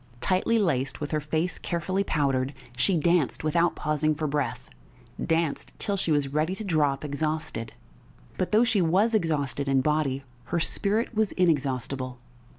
Tightly laced, with her face carefully powdered, she danced without pausing for breath danced till she was ready to drop exhausted. But though she was exhausted in body, her spirit was inexhaustible....